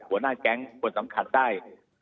หัวหน้าแก๊งคนสำคัญได้